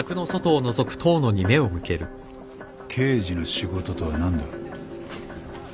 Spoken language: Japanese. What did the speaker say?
刑事の仕事とは何だ？